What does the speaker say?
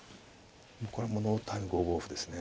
これはもうノータイム５五歩ですね。